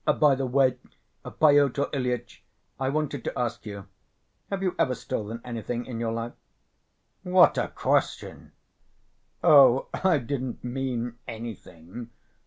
By the way, Pyotr Ilyitch, I wanted to ask you: have you ever stolen anything in your life?" "What a question!" "Oh, I didn't mean anything.